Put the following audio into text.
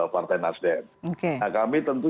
partai nasdem nah kami tentu